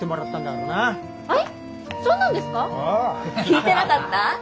聞いてなかった？